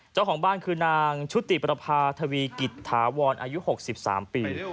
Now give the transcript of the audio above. เจ้าของบ้านคือนางชุติประพาทวีกิจถาวรอายุ๖๓ปี